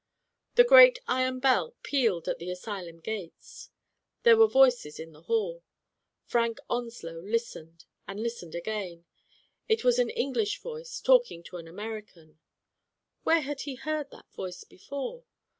The great iron bell pealed at the asylum gates. There were voices in the hall. Frank Onslow listened and listened again. It was an English voice talking to an American. Where had he heard that voice before?